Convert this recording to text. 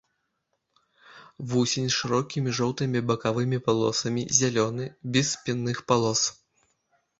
Вусень з шырокімі жоўтымі бакавымі палосамі, зялёны, без спінных палос.